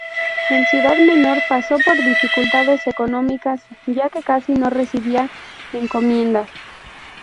En ciudad menor pasó por dificultades económicas, ya que casi no recibía encomiendas.